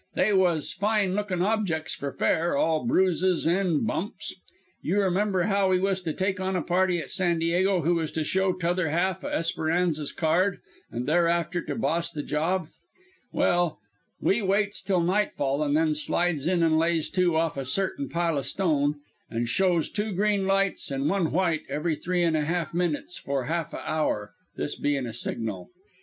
They was fine lookin' objects for fair, all bruises and bumps. You remember now we was to take on a party at San Diego who was to show t'other half o' Esperanza's card, an' thereafterward to boss the job. "Well, we waits till nightfall an' then slides in an' lays to off a certain pile o' stone, an' shows two green lights and one white every three and a half minutes for half a hour this being a signal.